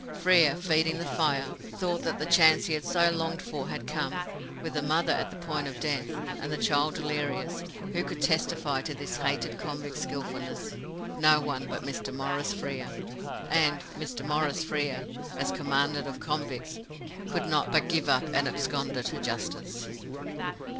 Frere, feeding the fire, thought that the chance he had so longed for had come. With the mother at the point of death, and the child delirious, who could testify to this hated convict's skilfulness? No one but Mr. Maurice Frere, and Mr. Maurice Frere, as Commandant of convicts, could not but give up an "absconder" to justice.